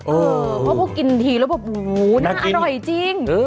เพราะเขากินทีแล้วแบบโอ้โหน่าอร่อยจริง